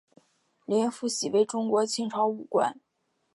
林福喜为中国清朝武官。